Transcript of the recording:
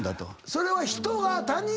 それは。